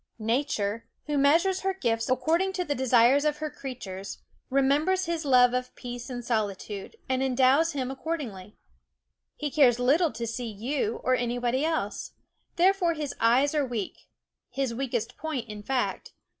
Nature, who measures her gifts according to the SCHOOL OF 146 lt)hen You Afeef Sear desires of her creatures, remembers his love of peace and solitude, and endows him v ..__ accordingly. He cares little to see you or anybody else; therefore his eyes are weak his weakest point, in fact.